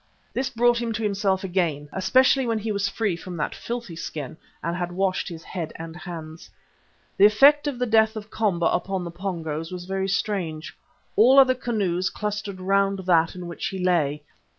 This quite brought him to himself again, especially when he was free from that filthy skin and had washed his head and hands. The effect of the death of Komba upon the Pongos was very strange. All the other canoes clustered round that in which he lay.